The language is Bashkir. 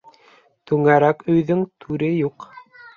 Түңәрәк өйҙөң түре юҡ.